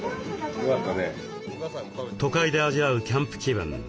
都会で味わうキャンプ気分。